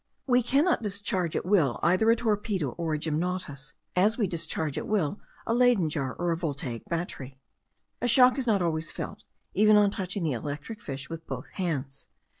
We cannot discharge at will either a torpedo or a gymnotus, as we discharge at will a Leyden jar or a Voltaic battery. A shock is not always felt, even on touching the electric fish with both hands.